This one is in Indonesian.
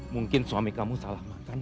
mungkin suami kamu salah makan